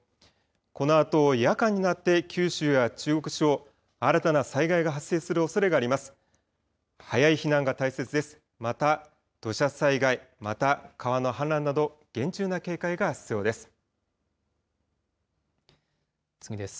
このあと夜間になって九州や中国地方、新たな災害が発生するおそれがあります。